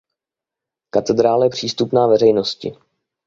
Katedrála je přístupná veřejnosti.